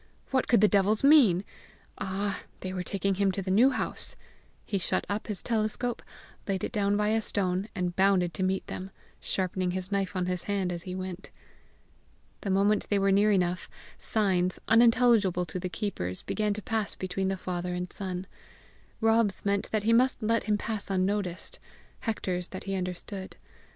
What could the devils mean? Ah, they were taking him to the New House! He shut up his telescope, laid it down by a stone, and bounded to meet them, sharpening his knife on his hand as he went. The moment they were near enough, signs, unintelligible to the keepers, began to pass between the father and son: Rob's meant that he must let him pass unnoticed; Hector's that he understood.